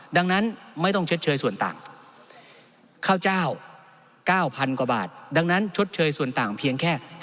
ดังนั้นไม่ต้องเช็ดเชยส่วนต่าง